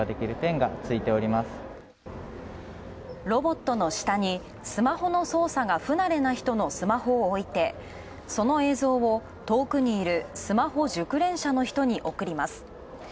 ロボットの下にスマホの操作が不慣れな人のスマホを置いて、その映像を遠くにいるスマホ熟練者の人に送ります。